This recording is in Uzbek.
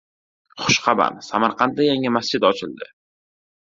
Xushxabar: Samarqandda yangi masjid ochildi